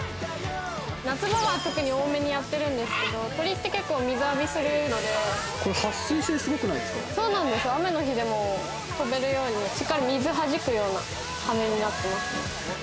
夏場は特に多めにやってるんですけど、鳥って結構水浴びするので、雨の日でも飛べるように、しっかり水をはじくような羽になってます。